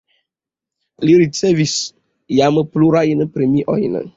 Li ricevis jam plurajn premiojn.